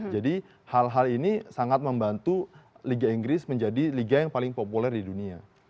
hal hal ini sangat membantu liga inggris menjadi liga yang paling populer di dunia